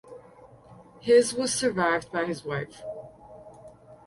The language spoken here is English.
His was survived by his wife.